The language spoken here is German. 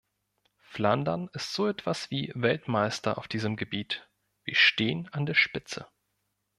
Flandern ist so etwas wie Weltmeister auf diesem Gebiet, wir stehen an der Spitze.